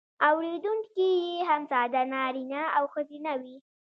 اوریدونکي یې هم ساده نارینه او ښځینه وي.